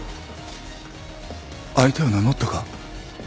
相手は名乗ったか？